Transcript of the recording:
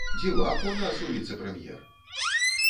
Дзівак у нас у віцэ-прэм'ер!